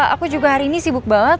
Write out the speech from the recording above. aku juga hari ini sibuk banget